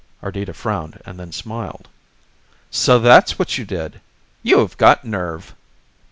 Ardita frowned and then smiled. "So that's what you did! You HAVE got nerve!"